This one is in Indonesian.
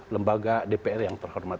lembaga dpr yang terhormat